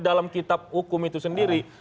dalam kitab hukum itu sendiri